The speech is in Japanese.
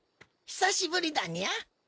久しぶりだにゃ。